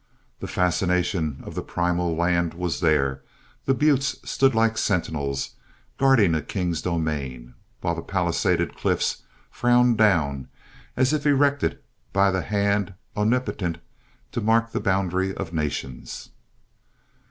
The fascination of the primal land was there; the buttes stood like sentinels, guarding a king's domain, while the palisaded cliffs frowned down, as if erected by the hand Omnipotent to mark the boundary of nations.